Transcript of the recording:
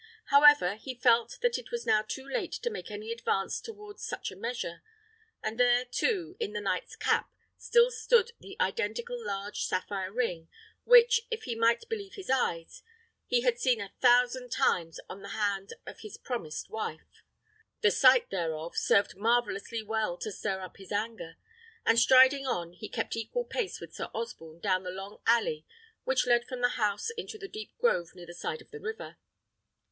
However, he felt that it was now too late to make any advance towards such a measure; and there, too, in the knight's cap, still stood the identical large sapphire ring, which, if he might believe his eyes, he had seen a thousand times on the hand of his promised wife. The sight, thereof, served marvellously well to stir up his anger; and striding on, he kept equal pace with Sir Osborne down the long alley which led from the house into a deep grove near the side of the river.